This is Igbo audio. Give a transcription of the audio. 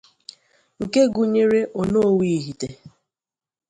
nke gụnyere Onowu Ihite